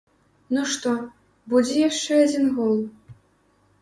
Ну што, будзе яшчэ адзін гол?